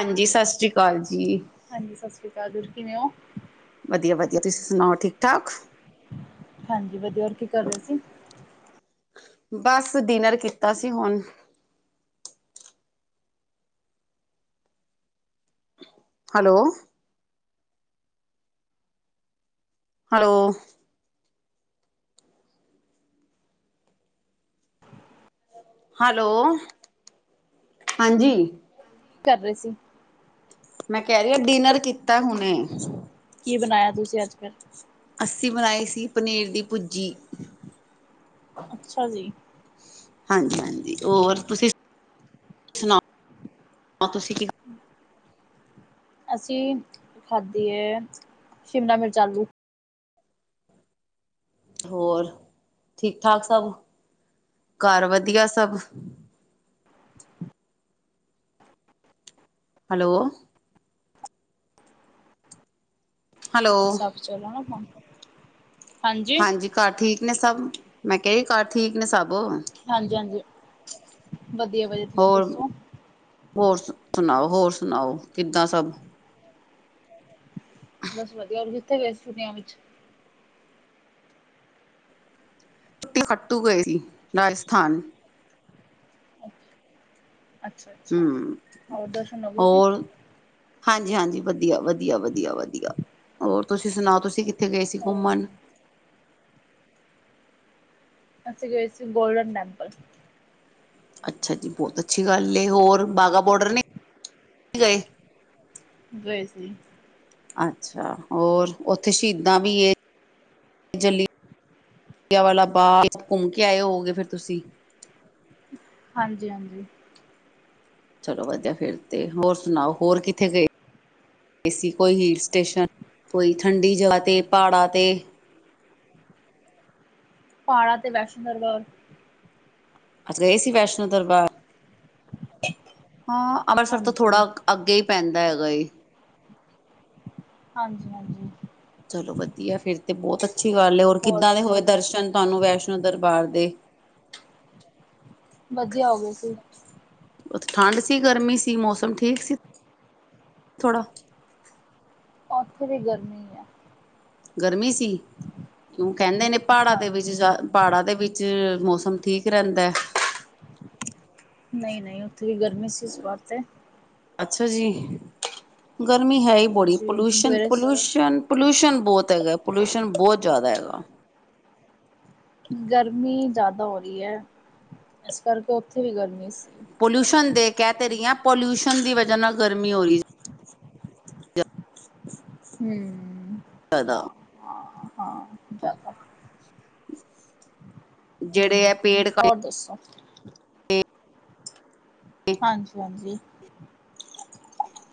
ਹਾਂਜੀ ਸਤਿ ਸ੍ਰੀ ਅਕਾਲ ਜੀ। ਬ੍ਰਦਰ ਕਿਵੇਂ ਹੋ? ਵਧੀਆ ਵਧੀਆ ਤੁਸੀਂ ਸੁਣਾਓ ਠੀਕ ਠਾਕ। ਹਾਂਜੀ ਵਧੀਆ ਹੋਰ ਕੀ ਕਰ ਰਹੇ ਸੀ? ਬਸ ਡਿਨਰ ਕੀਤਾ ਸੀ ਹੁਣ। ਹੈਲੋ। ਹੈਲੋ। ਹੈਲੋ ਹਾਂਜੀ। ਕੀ ਕਰ ਰਹੇ ਸੀ? ਮੈਂ ਕਹਿ ਰਹੀ ਆ ਡਿਨਰ ਕੀਤਾ ਹੁਣੇ। ਕੀ ਬਣਾਇਆ ਤੁਸੀਂ ਅੱਜ ਕੱਲ। ਅੱਸੀ ਬਣਾਈ ਸੀ ਪਨੀਰ ਦੀ ਭੁਜੀ। ਅੱਛਾ ਜੀ। ਹਾਂਜੀ ਹਾਂਜੀ, ਹੋਰ ਤੁਸੀਂ ਸੁਣਾਓ ਤੁਸੀਂ ਕੀ ਅਸੀਂ ਖਾਧੀ ਐ, ਸ਼ਿਮਲਾ ਮਿਰਚ ਆਲੂ। ਹੋਰ ਠੀਕ ਠਾਕ ਸਭ? ਘਰ ਵਧੀਆ ਸਭ? [inaudible] ਹੈਲੋ ਹੈਲੋ ਸੱਚ [unintelligible] ਹਾਂਜੀ, ਘਰ ਠੀਕ ਨੇ ਸਭ, ਮੈਂ ਕਹਿ ਰਹੀ ਘਰ ਠੀਕ ਨੇ ਸਭ। ਹਾਂਜੀ-ਹਾਂਜੀ, ਵਧੀਆ ਬਾਜੀ, ਤੁਸੀਂ ਹੋਰ ਦੱਸੋ ਹੋਰ ਸੁ ਸੁਣਾਓ, ਹੋਰ ਸੁਣਾਓ ਕਿੱਦਾਂ ਸਭ? ਬਸ ਵਧੀਆ ਜੀ, ਕਿੱਥੇ ਗਏ ਸੀ ਛੁੱਟੀਆਂ ਵਿੱਚ? ਛੁੱਟੀ ਖੱਟੂ ਗਏ ਸੀ, ਰਾਜਸਥਾਨ। ਅੱਛਾ ਅੱਛਾ, ਹਮ ਹੋਰ ਦਰਸ਼ਨ ਹੋ ਗਏ ਸੀ? ਹਾਂਜੀ-ਹਾਂਜੀ, ਵਧੀਆ, ਵਧੀਆ, ਵਧੀਆ, ਵਧੀਆ। ਹੋਰ ਤੁਸੀਂ ਸੁਣਾਓ, ਤੁਸੀਂ ਕਿੱਥ ਕਿੱਥੇ ਗਏ ਸੀ ਹੋਰ। ਘੁੰਮਣ? ਅਸੀਂ ਗਏ ਸੀ ਗੋਲਡਨ ਟੈਂਪਲ। ਅੱਛਾ ਜੀ ਬਹੁਤ ਅੱਛੀ ਗੱਲ ਏ, ਹੋਰ ਬਾਘਾ ਬੋਡਰ ਨੀਂ ਗਏ? ਗਏ ਸੀ। ਅੱਛਾ, ਹੋਰ ਉੱਥੇ ਸ਼ਹੀਦਾਂ ਵੀ ਏ। ਜਲ੍ਹਿਆਂਵਾਲਾ ਬਾਗ਼ ਘੁੰਮ ਕੇ ਆਏ ਹੋਵੋਗੇ ਫਿਰ ਤੁਸੀਂ? ਹਾਂਜੀ-ਹਾਂਜੀ। ਚਲੋ ਵਧੀਆ ਫਿਰ ਤੇ । ਹੋਰ ਸੁਣਾਓ, ਹੋਰ ਕਿੱਥੇ ਗਏ? ਦੇ ਸੀ । ਕੋਈ ਹੀਲ ਸਟੇਸ਼ਨ, ਕੋਈ ਠੰਢੀ ਜਗ੍ਹਾ ਤੇ, ਪਹਾੜਾਂ ਤੇ ਪਹਾੜਾਂ ਤੇ, ਵੈਸ਼ਨੋ [unintelligible] ਅੱਛਾ ਗਏ ਸੀ ਵੈਸ਼ਨੋਂ ਦਰਬਾਰ? ਹਾਂ, ਅੰਮ੍ਰਿਤਸਰ ਤੋਂ ਹਾਂਜੀ। ਥੋੜਾ ਅੱਗੇ ਹੀ ਪੈਂਦਾ ਹੈਗਾ ਏ। ਹਾਂਜੀ ਹਾਂਜੀ। ਚਲੋ ਵਧੀਆ ਫਿਰ ਤੇ ਬਹੁਤ ਅੱਛੀ ਗੱਲ ਏ। ਹੋਰ ਕਿੱਦਾਂ ਦੇ ਹੋਏ ਦਰਸ਼ਨ ਤੁਹਾਨੂੰ ਵੈਸ਼ਨ [unintelligible] ਦਰਬਾਰ ਦੇ? ਵਧੀਆ ਹੋ ਗਏ ਸੀ। ਉੱਥੇ ਠੰਡ ਸੀ, ਗਰਮੀ ਸੀ? ਮੌਸਮ ਠੀਕ ਸੀ? ਥੋੜਾ ਉੱਥੇ ਵੀ ਗਰਮੀ ਹੈ। ਗਰਮੀ ਸੀ? ਕਿਉਂ ਕਹਿੰਦੇ ਨੇ ਪਹਾੜਾਂ ਦੇ ਵਿੱਚ ਹਾਂਜੀ ਜਾ ਪਹਾੜਾਂ ਦੇ ਵਿੱਚ ਮੌਸਮ ਠੀਕ ਰਹਿੰਦੈ। ਨਹੀਂ ਨਹੀਂ ਉੱਥੇ ਵੀ ਗਰਮੀ ਸੀ ਇਸ ਵਾਰ ਤੇ । ਅੱਛਾ ਜੀ, ਗਰਮੀ ਹੈ ਹੀ ਬੜੀ ਹਾਂਜੀ ।ਪੋਲਿਊਸ਼ਨ, ਸਵੇਰੇ ਪੋਲਿਊਸ਼ਨ ਪੋਲਿਊਸ਼ਨ ਬਹੁਤ ਹੈਗਾ, ਪੋਲਿਊਸ਼ਨ ਬਹੁਤ ਜ਼ਿਆਦਾ ਹੈਗਾ। ਗਰਮੀ ਜ਼ਿਆਦਾ ਹੋ ਰਹੀ ਹੈ, ਇਸ ਕਰਕੇ ਉੱਥੇ ਵੀ ਗਰਮੀ ਸੀ। ਪੋਲਿਊਸ਼ਨ ਦੇ ਕਹਿ ਤੇ ਰਹੀਆਂ, ਪੋਲਿਊਸ਼ਨ ਦੀ ਵਜ੍ਹਾ ਨਾਲ ਗਰਮੀ ਹੋ ਰਹੀ ਹੁਮ ਫਾਇਦਾ ਜ਼ਿਆਦਾ ਜਿਹੜੇ ਇਹ ਪੇੜ ਹੋਰ ਦੱਸੋ। ਹਾਂਜੀ ਹਾਂਜੀ।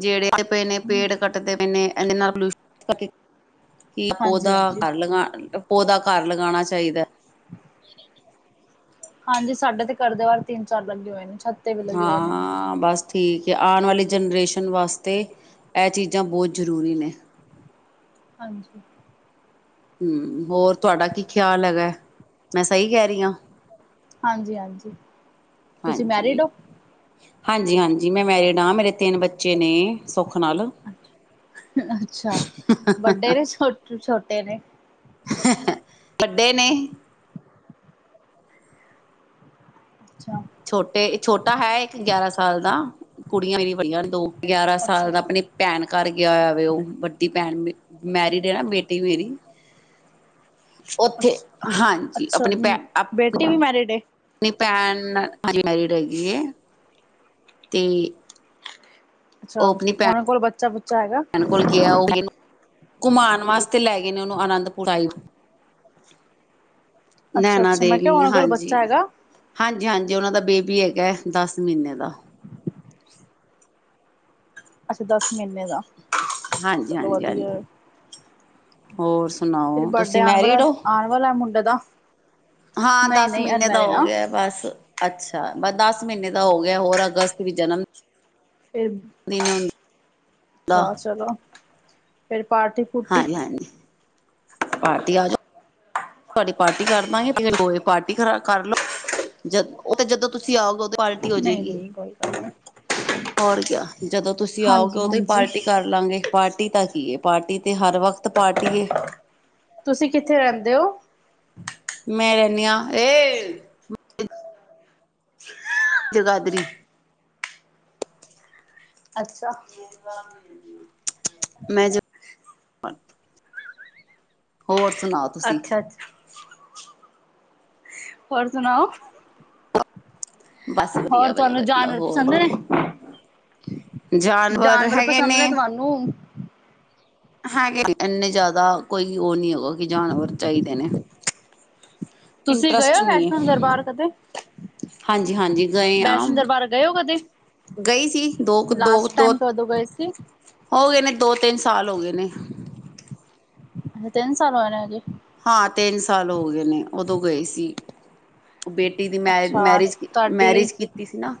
ਜਿਹੜੇ ਤੇ ਪਏ ਨੇ, ਪੇੜ ਕੱਟਦੇ ਪਏ ਨੇ ।ਇਹਦੇ ਨਾਲ ਪੋਲਿਊਸ਼ਨ ਕਿ ਹਾਂਜੀ ਓਦਾ ਹਾਂਜੀ ਘਰ ਲਗਾਣ ਪੌਦਾ ਘਰ ਲਗਾਉਣਾ ਚਾਇੰਦੈ ਹਾਂਜੀ ਸਾਡੇ ਤੇ ਘਰ ਦੇ ਬਾਹਰ ਤਿੰਨ ਚਾਰ ਲੱਗੇ ਹੋਏ ਨੇ । ਹਾਂ ਬਸ । ਠੀਕ ਐ ਆਉਣ ਵਾਲੀ ਜਨਰੇਸ਼ਨ ਵਾਸਤੇ ਇਹ ਚੀਜਾ ਬਹੁਤ ਜ਼ਰੂਰੀ ਨੇ ਹਾਂਜੀ । ਹੂੰ ਹੋਰ ਤੁਹਾਡਾ ਕੀ ਖਿਆਲ ਹੈਗਾ ਮੈਂ ਸਹੀ ਕਹਿ ਰਹੀ ਆ? ਹਾਂਜੀ ਹਾਂਜੀ ਤੁਸੀ ਹਾਂਜੀ ਮੈਰਿਡ ਓ? ਹਾਂਜੀ ਹਾਂਜੀ ਮੈਂ ਮੈਰਿਡ ਆ ਮੇਰੇ ਤਿੰਨ ਬੱਚੇ ਨੇ ਸੁੱਖ ਨਾਲ। ਅੱਛਾ ਵੱਡੇ ਨੇ ਛੋਟ ਛੋਟੇ ਨੇ? ਵੱਡੇ ਨੇ। ਅੱਛਾ ਛੋਟੇ ਛੋਟਾ ਹੈ ਇੱਕ ਗਿਆਰਾ ਸਾਲ ਦਾ, ਕੁੜੀਆ ਮੇਰੀ ਵੱਡੀਆਂ ਨੇ ਦੋ। ਗਿਆਰਾ ਅੱਛਾ ਸਾਲ ਦਾ ਆਪਣੀ ਭੈਣ ਘਰ ਗਿਆ ਹੋਇਆ ਵੇ ਉਹ ਵੱਡੀ ਭੈਣ ਮੈਰਿਡ ਏ ਨਾ ਬੇਟੀ ਮੇਰੀ। ਉੱਥੇ ਅੱਛਾ, ਹਾਂਜੀ ਅੱਛਾ ਬੇਟੀ ਵੀ ਮੈਰਿਡ ਏ? ਨੀ ਭੈਣ ਅਨਮੈਰਿਡ ਹੈਗੀ ਏ। ਤੇ ਅੱਛਾ ਉਹ ਆਪਣੀ ਭੈਣ ਉਹਨਾਂ ਕੋਲ ਬੱਚਾ ਬੁੱਚਾ ਹੈਗਾ [inaudible] ਭੈਣ ਕੋਲ ਗਿਆ ਉਹ ਮੈਨੂੰ ਘੁਮਾਉਣ ਵਾਸਤੇ ਲੈ ਗਏ ਨੇ ਉਹਨੂੰ ਅਨੰਦਪੁਰ ਸਾਹਿਬ। ਅੱਛਾ ਨੈਣਾ ਅੱਛਾ ਮੈਂ ਦੇਵੀ ਕਿਹਾ ਉਹਨਾਂ ਕੋਲ ਹਾਂਜੀ, ਬੱਚਾ ਹੈਗਾ ਹਾਂਜੀ-ਹਾਂਜੀ । ਤੇ ਉਹਨਾ ਦਾ ਬੇਬੀ ਹੈਗਾ ਏ ਦਸ ਮਹੀਨੇ ਦਾ। ਅੱਛਾ ਦਸ ਮਹੀਨੇ ਦਾ। ਹਾਂਜੀ ਚਲੋ ਹਾਂਜੀ ਵਧੀਆ ਏ। ਹਾਂਜੀ। ਹੋਰ ਫਿਰ ਸੁਣਾਓ ਤੁਸੀ ਬਰਡੇ ਆਉਣ ਮੈਰਿਡ ਵਾਲਾ ਓ? ਆਉਣ ਵਾਲਾ ਮੁੰਡੇ ਦਾ ਹਾਂ ਨਹੀਂ ਦਸ ਨਹੀਂ ਮਹੀਨੇ ਦਾ ਅਨਮੈਰਿਡ ਹੋ ਆ ਗਿਆ ਬਸ ਅੱਛਾ। ਬਸ ਦਸ ਮਹੀਨੇ ਦਾ ਹੋ ਗਿਆ ਹੋਰ ਅਗਸਤ ਵੀ ਜਨਮ ਫ ਦਿਨ [unintelligible] ਹੁੰਦਾ ਅੱਛਾ ਚਲੋ ਫਿਰ ਫ ਪਾਰਟੀ ਪੁਰਟੀ ਹਾਂਜੀ ਹਾਂਜੀ ਪਾਰਟੀ ਆ ਜਾਓ । ਤੁਹਾਡੀ ਪਾਰਟੀ ਕਰਦਾਗੇ ਪਾਰਟੀ ਕਰ ਲੋ ਜਦ ਉਹ ਤੇ ਜਦੋ ਤੁਸੀ ਆਓਗੇ ਉਦੇ ਨਹੀ-ਨਹੀ ਕੋਈ ਗੱਲ ਨੀ। ਹੋਰ ਕਿਆ ਜਦੋ ਤੁਸੀ ਆਓਗੇ ਉਦੋ ਈ ਹਾਂਜੀ ਪਾਰਟੀ ਕਰ ਲਾਂਗੇ। ਪਾਰਟੀ ਦਾ ਕੀ ਏ ਪਾਰਟੀ ਤੇ ਹਰ ਵਕਤ ਪਾਰਟੀ ਏ। ਤੁਸੀ ਕਿੱਥੇ ਰਹਿੰਦੇ ਓ? ਮੈ ਰਹਿਨੀ ਆ ਏ ਜਦਾਦਰੀ। ਅੱਛਾ ਮੈਂ [unintelligible] ਹੋਰ ਸੁਣਾਓ ਤੁਸੀਂ ਅੱਛਾ-ਅੱਛਾ। ਹੋਰ ਸੁਣਾਓ। ਬਸ ਹੋਰ ਵਧੀਆ ਵਧੀਆ ਤੁਹਾਨੂੰ ਵਧੀਆ ਜਾਨਵਰ ਹੋਰ ਪਸੰਦ ਨੇ? ਜਾਨਵਰ ਹੈਗੇ ਨੇ। ਹੈਗੇ ਇਨੇ ਜਿਆਦਾ ਕੋਈ ਉਹ ਨੀ ਹੈਗਾ ਕਿ ਜਾਨਵਰ ਚਾਹੀਦੇ ਨੇ। ਤੁਸੀ ਗਏ ਇੰਟਰਸਟ ਓ ਵੈਸ਼ਨੋ ਦਰਬਾਰ ਕਦੇ? ਹਾਂਜੀ-ਹਾਂਜੀ ਗਏ ਆ। ਵੈਸ਼ਨੋ ਦਰਬਾਰ ਗਏ ਹੋ ਕਦੇ ਗਈ ਸੀ ਦੋ ਕੁ ਦੋ ਲਾਸਟ ਦੋ ਟਾਈਮ ਕਦੋਂ ਗਏ ਸੀ ਹੋ ਗਏ ਨੇ ਦੋ ਤਿੰਨ ਸਾਲ ਹੋ ਗਏ ਨੇ। ਤਿੰਨ ਸਾਲ ਹੋਏ ਨੇ ਹਜੇ? ਹਾਂ ਤਿੰਨ ਸਾਲ ਹੋ ਗਏ ਨੇ ਉਦੋ ਗਏ ਸੀ। ਉਹ ਬੇ ਟੀ ਦੀ ਮੈ ਅੱਛਾ ਮੈਰਿਜ ਤੁਹਾਡੀ ਮੈਰਿਜ ਕੀਤੀ ਸੀ ਨਾ।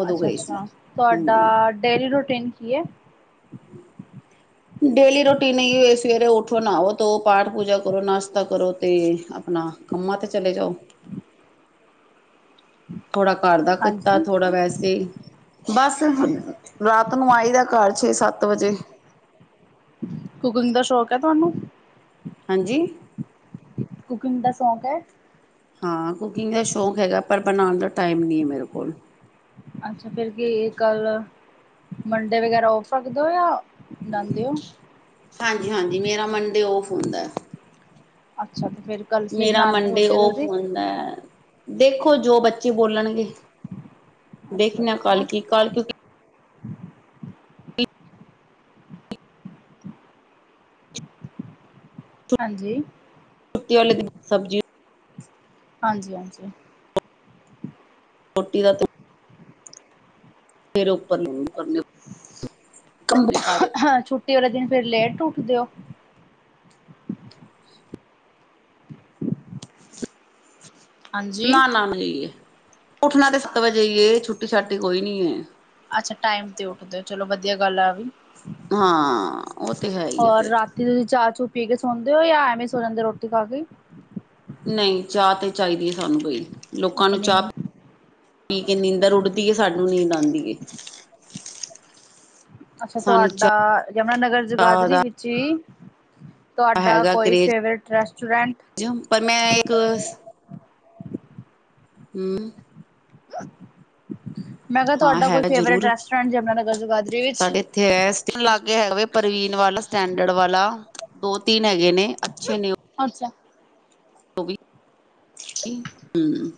ਉਦੋਂ ਗਏ ਸੀ ਅੱਛਾ-ਅੱਛਾ ਤੁਹਾਡਾ ਹਮ ਡੇਲੀ ਰੁਟੀਨ ਕੀ ਏ? [inaudible] ਡੇਲੀ ਰੋਟੀਨ ਹੀ ਸਵੇਰੇ ਉੱਠੋ, ਨਹਾਓ ਧੋਓ, ਪਾਠ-ਪੂਜਾ ਕਰੋ, ਨਾਸ਼ਤਾ ਕਰੋ ਤੇ ਆਪਣਾ ਕੰਮਾਂ ਤੇ ਚਲੇ ਜਾਓ। [inaudible] ਥੋੜਾ ਘਰ ਦਾ ਕੀਤਾ ਹਾਂਜੀ ਥੋੜਾ ਵੈਸੇ। ਬਸ ਰਾਤ ਨੂੰ ਆਈ ਦਾ ਘਰ ਛੇ-ਸੱਤ ਵਜੇ। ਕੁਕਿੰਗ ਦਾ ਸ਼ੌਕ ਹੈ ਤੁਹਾਨੂੰ? ਹਾਂਜੀ। ਕੁਕਿੰਗ ਦਾ ਸ਼ੌਕ ਹੈ? ਹਾਂ ਕੁਕਿੰਗ ਦਾ ਸ਼ੌਂਕ ਹੈਗਾ ਪਰ ਬਨਾਨ ਦਾ ਟਾਈਮ ਨੀ ਹੈ ਮੇਰੇ ਕੋਲ। ਅੱਛਾ, ਫਿਰ ਕੀ ਕੱਲ ਮੰਡੇ ਵਗੈਰਾ ਓਫ ਰੱਖਦੇ ਹੋ ਯਾ ਹਾਂਜੀ-ਹਾਂਜੀ ਮੇਰਾ ਮੁੰਡੇ ਔਫ ਹੁੰਦਾ ਐ। ਅੱਛਾ। ਤੇ ਫਿਰ ਕੱਲ ਕੀ ਮੇਰਾ ਬਣਾਉਣ ਦਾ ਮੰਡੇ ਸੋਚਿਆ ਔਫ ਤੁਸੀਂ ਹੁੰਦਾ ਐ। ਦੇਖੋ ਜੋ ਬੱਚੇ ਬੋਲਣਗੇ, ਅੱਛਾ ਦੇਖਨਾ ਅੱਛਾ ਕੱਲ ਕੀ, ਕੱਲ ਕਿਉਂਕ [inaudible] ਹਾਂਜੀ ਛੁੱਟੀ ਵਾਲੇ ਦਿਨ ਸਬਜ਼ੀਆਂ ਹਾਂਜੀ-ਹਾਂਜੀ। ਰੋਟੀ ਦਾ ਤਾਂ [unintelligible] ਕੰਮੇ ਘਰ ਹਾਂ, ਛੁੱਟੀ ਵਾਲੇ ਦਿਨ ਫੇਰ ਲੇਟ ਉੱਠਦੇ ਹੋ? ਹਾਂਜੀ ਨਾ-ਨਾ, [unintelligible] ਉੱਠਣਾ ਤੇ ਸੱਤ ਵਜੇ ਈ ਏ ਛੁੱਟੀ ਛਾੱਟੀ ਕੋਈ ਨੀ ਏ। ਅੱਛਾ ਟਾਈਮ ਤੇ ਉੱਠਦੇ ਹੋ, ਚਲੋ ਵਧੀਆ ਗੱਲ ਆ ਵੀ। ਹਾਂ ਉਹ ਤੇ ਹੈ ਹੀ ਹੈ ਹੋਰ ਫਿਰ ਰਾਤੀ ਤੁਸੀਂ ਚਾਹ ਚੁ ਪੀ ਕੇ ਸੌਦੇ ਹੋ ਜਾਂ ਐਵੇਂ ਸੋ ਜਾਂਦੇ ਰੋਟੀ ਖਾ ਕੇ ਈ? ਨਹੀਂ ਚਾਹ ਤੇ ਚਾਹੀਦੀ ਸਾਨੂੰ ਬਈ। ਲੋਕਾਂ ਨੂੰ ਚਾਹ ਆਪਣੀ ਪੀ ਕੇ ਨੀਂਦਰ ਉੱਡਦੀ ਹੈ ਸਾਨੂੰ ਨੀਂਦ ਆਂਦੀ ਏ। ਅੱਛਾ ਸਾਨੂੰ ਤੁਹਾਡਾ ਯਮੁਨਾ ਨਗਰ ਚਾਹ ਜਗਾਦਰੀ ਦਾ ਵਿੱਚ ਹੀ ਤੁਹਾਡਾ ਹੈਗਾ ਕੋਈ ਕਰੇਜ ਫੇਵਰੇਟ ਰੈਸਟੋਰੈਂਟ ਪਰ ਮੈਂ ਇੱਕ ਹੂੰ। ਮੈਂ ਕਿਹਾ ਹਾਂ ਤੁਹਾਡਾ ਕੋਈ ਹੈਗਾ ਫੇਵਰੇਟ ਜ਼ਰੂਰ, ਰੈਸਟੋਰੈਂਟ ਯਮੁਨਾਨਗਰ ਜਗਾਦਰੀ ਵਿੱਚ? ਸਾਡੇ ਇੱਥੇ ਐਸ [unintelligible] ਹੈਗਾ ਪ੍ਰਵੀਨ ਵਾਲਾ, ਸਟੈਂਡਰਡ ਵਾਲਾ, ਦੋ ਤਿੰਨ ਹੈਗੇ ਨੇ ਅੱਛੇ ਨੇ। ਅੱਛਾ। ਉਹ ਵੀ ਹੂੰ,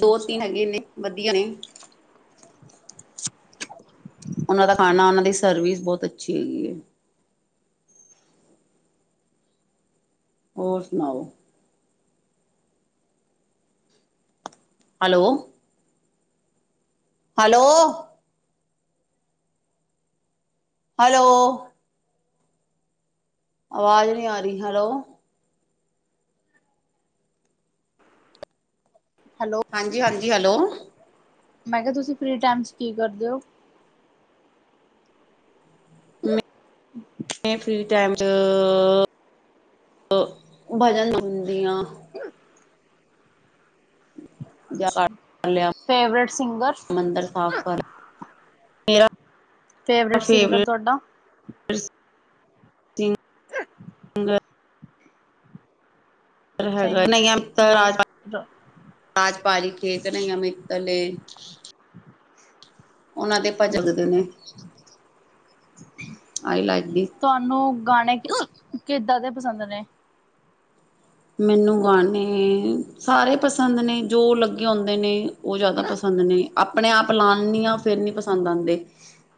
ਦੋ ਤਿੰਨ ਹੈਗੇ ਨੇ [unintelligible] ਵਧੀਆ ਨੇ। ਉਹਨਾਂ ਦਾ ਖਾਨਾ, ਉਹਨਾਂ ਦੀ ਸਰਵਿਸ ਬੋਤ ਅੱਛੀ ਹੈਗੀ ਏ। ਹੋਰ ਸੁਣਾਓ ਹੈਲੋ। ਹੈਲੋ। ਹੈਲੋ। ਆਵਾਜ਼ ਨੀ ਆ ਰੀ, ਹੈਲੋ। ਹੈਲੋ ਹਾਂਜੀ-ਹਾਂਜੀ, ਹੈਲੋ। ਮੈਂ ਕਿਹਾ ਤੁਸੀਂ ਫਰੀ ਟਾਈਮ ਚ ਕੀ ਕਰਦੇ ਹੋ? ਮੈਂ [inaudible] ਫ੍ਰੀ ਟਾਈਮ ਚ ਭਜਨ ਗਉਂਦੀ ਆਂ। ਜਾ [unintelligible] ਅੱਛਾ। ਕਰ ਲਿਆ ਫੇਵਰੇਟ ਸਿੰਗਰ, ਮੰਦਰ ਸਾਫ਼ ਕਰ ਮੇਰਾ ਫ਼ੇਵਰੇਟ ਸਿੰਗਰ ਫੇਵਰੇਟ ਤੁਹਾਡਾ? [unintelligible] ਸਹੀ ਹੈਗਾ, ਨਹੀਂ ਤਾਂ ਰਾਜ [unintelligible] ਖੇਕ ਨਹੀਂ ਐਵੇਂ। ਕੱਲੇ ਉਹਨਾਂ ਦੇ ਭਜਨ [unintelligible] ਨੇ, ਆਈ ਲਾਈ ਤੁਹਾਨੂੰ ਗਾਣੇ, ਕਿੱਦਾਂ ਦੇ ਪਸੰਦ ਨੇ? ਮੈਨੂੰ ਗਾਨੇ ਸਾਰੇ ਪਸੰਦ ਨੇ ਜੋ ਲੱਗੇ ਹੁੰਦੇ ਨੇ ਉਹ ਜਿਆਦਾ ਪਸੰ ਨੇ ਆਪਣੇ ਆਪ ਲਾਨੀ ਆ ਫੇਰ ਨੀ ਪਸੰਦ ਆਂਦੇ।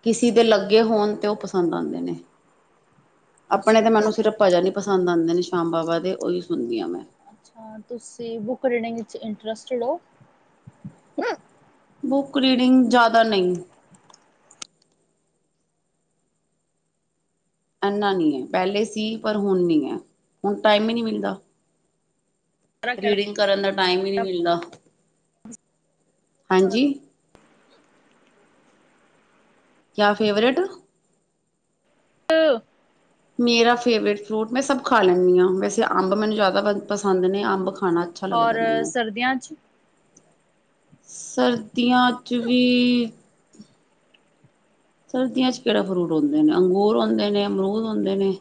ਕਿਸੀ ਦੇ ਲੱਗੇ ਹੋਨ ਤੇ ਉਹ ਪਸੰਦ ਆਂਦੇ ਨੇ। [inaudible] ਆਪਣੇ ਅੱਛਾ ਤਾਂ ਮੈਨੂੰ ਸਿਰਫ ਭਜਨ ਹੀ ਪਸੰਦ ਆਂਦੇ ਨੇ ਸ਼ਾਮ ਬਾਬਾ ਦੇ ਉਹੀ ਸੁਨਦੀ ਆਂ ਮੈਂ। ਅੱਛਾ, ਤੁਸੀਂ, ਬੁੱਕ ਰੀਡਿੰਗ ਵਿੱਚ ਇੰਟਰਸਟਿਡ ਔ। ਬੂਕਰੀਡਿੰਗ ਜਿਆਦਾ ਨਹੀਂ। ਇਨਾ ਨੀ ਪਹਿਲੇ ਸੀ ਪਰ ਹੁਣ ਨਹੀਂ ਐ, ਹੁਣ ਟਾਈਮ ਹੀ ਨਹੀਂ ਮਿਲਦਾ। ਰੀਡਿੰਗ ਕਰਨ ਦਾ ਟਾਈਮ ਹੀ ਨਹੀਂ ਮਿਲਦਾ। ਹਾਂਜੀ ਜਾਂ ਫੇਵਰੇਟ ਹਾ ਮੇਰਾ ਫੇਵਰੇਟ ਫਰੂਟ, ਮੈਂ ਸਭ ਖਾ ਲੈਨੀ ਆ, ਵੈਸੇ ਅੰਬ ਮੈਨੂੰ ਜਿਆਦਾ ਪਸੰਦ ਨੇ, ਅੰਬ ਖਾਣਾ ਅੱਛਾ ਔਰ ਲੱਗਦਾ ਮੈਂਨੂ। ਸਰਦੀਆਂ 'ਚ ਸਰਦੀਆਂ ਚ ਵੀ ਸਰਦੀਆਂ ਚ ਕੇੜਾ ਫਰੂਟ ਹੁੰਦੇ ਨੇ, ਅੰਗੂਰ ਹੁੰਦੇ ਨੇ, ਅਮਰੂਦ ਹੁੰਦੇ ਨੇ।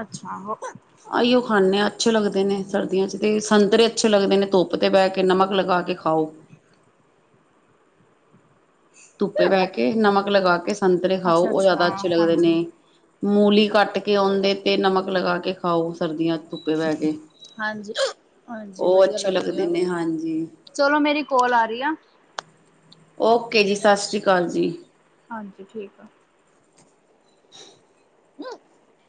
ਅੱਛਾ ਆਈਓ ਖਾਂਦੇ ਹਾਂ ਅੱਛੇ ਲੱਗਦੇ ਨੇ, ਸਰਦੀਆਂ ਚ ਤੇ ਸੰਤਰੇ ਅੱਛੇ ਲੱਗਦੇ ਨੇ, ਧੁੱਪ ਤੇ ਬਹਿ ਕੇ, ਨਮਕ ਲਗਾ ਕੇ ਖਾਔ। ਖਾਲੀ [unintelligible] ਧੁੱਪੇ ਬਹਿ ਕੇ, ਨਮਕ ਲਗਾ ਕੇ, ਸੰਤਰੇ ਖਾਓ ਅੱਛਾ ਔ ਅੱਛਾ ਜਿਆਦਾ ਅੱਛੇ ਲੱਗਦੇ ਨੇ। ਹਾਂਜੀ ਮੂਲੀ ਕੱਟ ਕੇ ਆਉਂਦੇ ਤੇ ਨਮਕ ਲਗਾ ਕੇ ਖਾਔ, ਸਰਦੀਆਂ ਚ, ਧੁੱਪੇ ਬਹਿ ਕੇ। ਹਾਂਜੀ ਹਾਂਜੀ ਉਹ ਵਧੀਆ ਅੱਛੇ ਲੱਗਦੇ ਆ। ਨੇ ਹਾਂਜੀ ਚਲੋ ਮੇਰੀ ਕੋਲ ਆ ਰਹੀ ਆ। ਓਕੇ ਜੀ, ਸਤਿ ਸ਼੍ਰੀ ਅਕਾਲ ਜੀ। ਹਾਂਜੀ ਠੀਕ ਆ [inaudible]